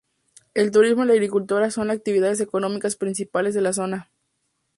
El turismo y la agricultura son las actividades económicas principales de la zona.